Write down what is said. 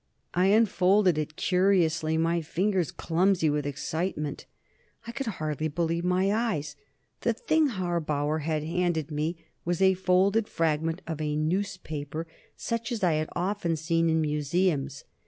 I unfolded it curiously, my fingers clumsy with excitement. I could hardly believe my eyes. The thing Harbauer had handed me was a folded fragment of newspaper, such as I had often seen in museums.